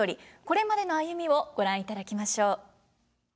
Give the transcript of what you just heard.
これまでの歩みをご覧いただきましょう。